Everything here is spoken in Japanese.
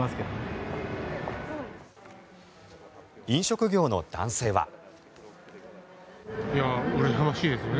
飲食業の男性は。